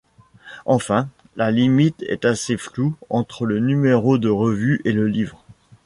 Enfin la limite est assez floue entre le numéro de revue et le livre.